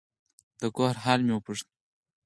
د کور حال مې وپوښت.